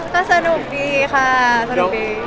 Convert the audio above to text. ก็สนุกดีค่ะสนุกดี